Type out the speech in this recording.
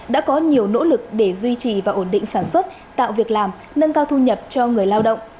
đã có nhiều nỗ lực để duy trì và ổn định sản xuất tạo việc làm nâng cao thu nhập cho người lao động